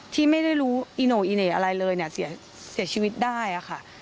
ที่ไม่ได้รู้อีโน่อีเหน่อะไรเลยเนี่ยเสียชีวิตได้ค่ะ